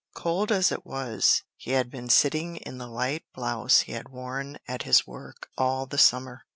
Cold as it was, he had been sitting in the light blouse he had worn at his work all the summer.